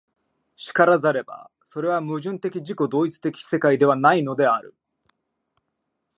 然らざれば、それは矛盾的自己同一的世界ではないのである。